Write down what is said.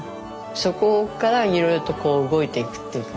そこからいろいろとこう動いていくっていうかね